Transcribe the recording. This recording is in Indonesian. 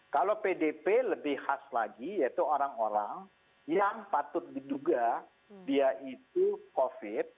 kalau pdp lebih khas lagi yaitu orang orang yang patut diduga dia itu covid